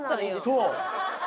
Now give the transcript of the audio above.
そう。